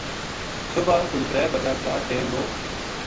صُبح کوئی ترے بجا کا ٹیم بو